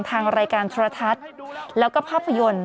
ทางรายการโทรทัศน์แล้วก็ภาพยนตร์